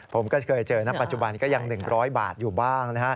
ผมก็เคยเจอนะปัจจุบันก็ยัง๑๐๐บาทอยู่บ้างนะฮะ